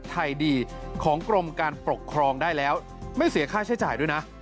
ไทยดีของกรมการปกครองได้แล้วไม่เสียค่าใช้จ่ายด้วยนะ